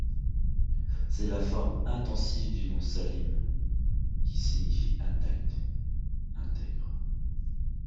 C'est la forme intensive du nom Salîm qui signifie intact, intègre.